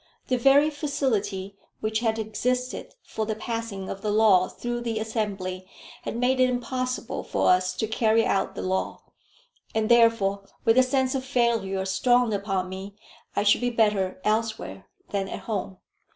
The very facility which had existed for the passing of the law through the Assembly had made it impossible for us to carry out the law; and therefore, with the sense of failure strong upon me, I should be better elsewhere than at home.